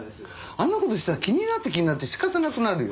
あんなことしたら気になって気になってしかたなくなるよ。